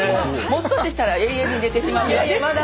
もう少ししたら永遠に寝てしまいます。